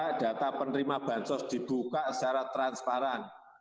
data penerima bansos dibuka secara transparan